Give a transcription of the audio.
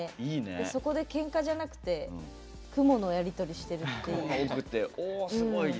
そこでけんかじゃなくて雲のやり取りしてるっていいね。